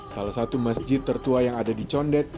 salah satu masjid tertua yang ada di condet